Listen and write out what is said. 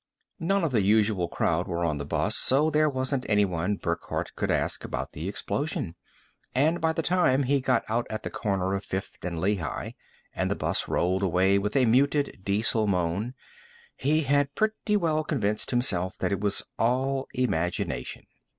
None of the usual crowd were on the bus, so there wasn't anyone Burckhardt could ask about the explosion. And by the time he got out at the corner of Fifth and Lehigh and the bus rolled away with a muted diesel moan, he had pretty well convinced himself that it was all imagination.